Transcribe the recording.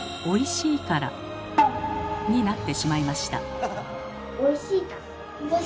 ということでになってしまいました。